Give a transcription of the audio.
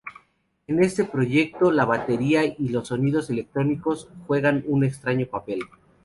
En este proyecto la batería y los sonidos electrónicos juegan un extraño papel.